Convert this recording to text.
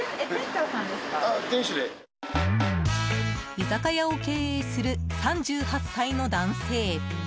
居酒屋を経営する３８歳の男性。